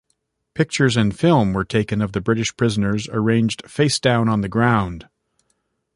Pictures and film were taken of the British prisoners arranged face-down on the ground.